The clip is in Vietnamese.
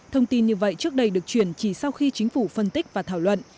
thông tin như vậy trước đây được chuyển chỉ sau khi chính phủ phân tích và thảo luận